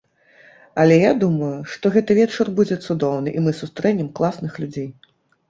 Але я думаю, што гэты вечар будзе цудоўны і мы сустрэнем класных людзей.